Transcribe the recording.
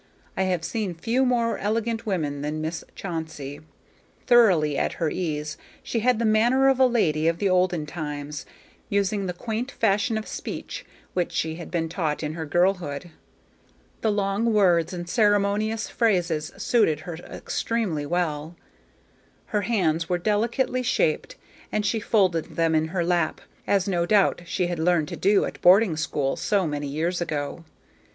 I have seen few more elegant women than Miss Chauncey. Thoroughly at her ease, she had the manner of a lady of the olden times, using the quaint fashion of speech which she had been taught in her girlhood. The long words and ceremonious phrases suited her extremely well. Her hands were delicately shaped, and she folded them in her lap, as no doubt she had learned to do at boarding school so many years before.